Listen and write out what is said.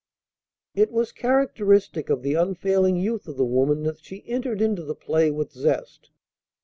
It was characteristic of the unfailing youth of the woman that she entered into the play with zest.